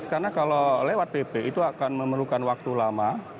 karena kalau lewat pp itu akan memerlukan waktu lama